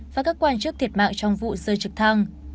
và các quan chức thiệt mạng trong vụ rơi trực thăng